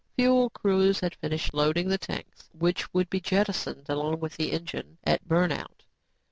Fuel crews had finished loading the tanks which would be jettisoned along with the engine at burn out.